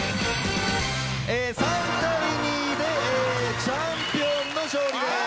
３対２でチャンピオンの勝利でーす！